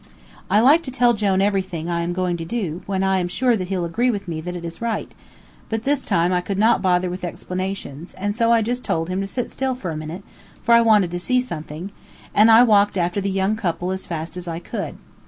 I like to tell Jone everything I am going to do, when I am sure that he'll agree with me that it is right; but this time I could not bother with explanations, and so I just told him to sit still for a minute, for I wanted to see something, and I walked after the young couple as fast as I could.